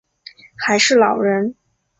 还是老人